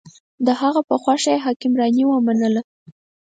د هغه په خوښه یې حکمراني ومنله.